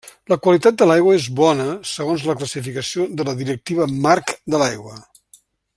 La qualitat de l'aigua és Bona segons la classificació de la Directiva Marc de l'Aigua.